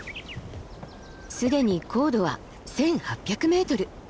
既に高度は１，８００ｍ。